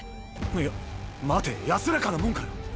いや待て安らかなもんかよ。